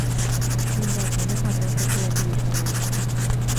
另在同一话中说出了自己全名。